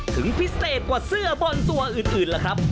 ถึงพิเศษกว่าเสื้อบอลตัวอื่นล่ะครับ